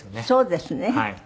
そうですね。